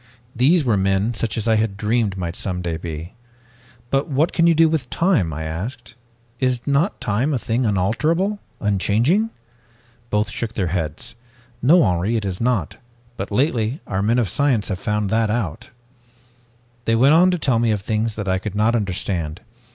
These were men such as I had dreamed might some day be. 'But what can you do with time?' I asked. 'Is not time a thing unalterable, unchanging?' "Both shook their heads. 'No, Henri, it is not. But lately have our men of science found that out.' "They went on to tell me of things that I could not understand.